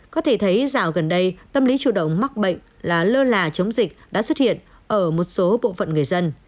có thể thấy dạo gần đây tâm lý chủ động mắc bệnh là lơ là chống dịch đã xuất hiện ở một số bộ phận người dân